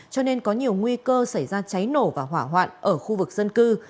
cho nên có nhiều nguy cơ xảy ra cháy nổ và hỏa hoạn ở khu vực dân cư